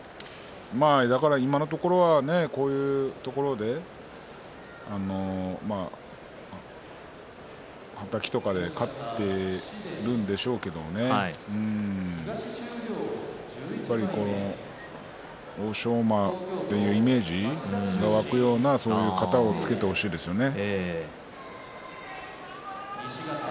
だから、今のところははたきとかで勝っているんでしょうけれどもやっぱり欧勝馬っていうイメージが沸くようなそういう型をつけてほしいですよね。